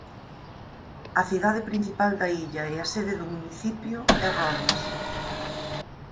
A cidade principal da illa e a sede do municipio é Rodas.